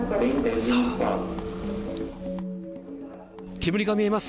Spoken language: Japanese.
煙が見えます。